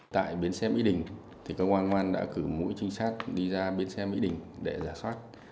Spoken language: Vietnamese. tại biến xe mỹ đình công an ngoan đã cử mũi trinh sát đi ra biến xe mỹ đình để giả soát